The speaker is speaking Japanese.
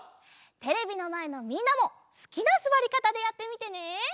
テレビのまえのみんなもすきなすわりかたでやってみてね！